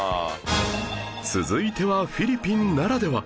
続いてはフィリピンならでは